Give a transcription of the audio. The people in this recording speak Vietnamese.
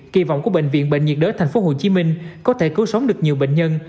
kỳ vọng của bệnh viện bệnh nhiệt đới tp hcm có thể cứu sống được nhiều bệnh nhân